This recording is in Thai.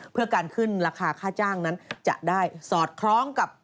เพื่อการขึ้นราคาค่าจ้างนั้นจะได้สอดคล้องกับ